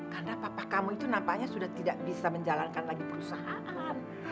karena papa kamu itu nampaknya sudah tidak bisa menjalankan lagi perusahaan